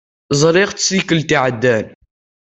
Ẓriɣ-t tikkelt iɛeddan.